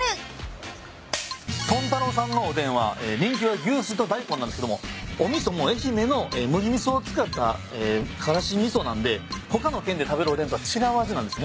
豚太郎さんのおでんは人気は牛すじとダイコンなんですけどもお味噌も愛媛の麦味噌を使ったからし味噌なんで他の県で食べるおでんとは違う味なんですね。